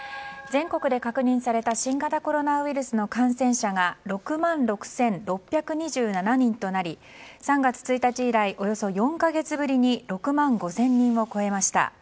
全国で確認された新型コロナウイルスの感染者が６万６６２７人になり３月１日以来およそ４か月ぶりに６万５０００人を超えました。